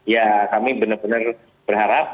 ya kami benar benar berharap